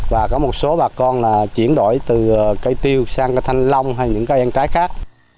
và có một số bà con chuyển đổi từ cây tiêu sang thanh long hay những cây ăn trái khác